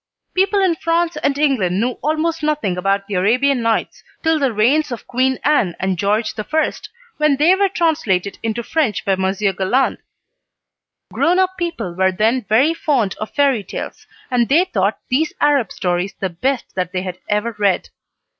People in France and England knew almost nothing about "The Arabian Nights" till the reigns of Queen Anne and George I., when they were translated into French by Monsieur Galland. Grown up people were then very fond of fairy tales, and they thought these Arab stories the best that they had ever read.